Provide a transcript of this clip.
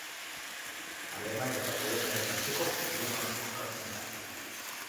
Alemania eta Poloniaren arteko mugan kokatzen da.